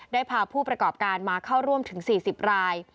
พาผู้ประกอบการมาเข้าร่วมถึง๔๐ราย